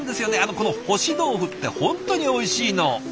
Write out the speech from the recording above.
この干し豆腐って本当においしいの。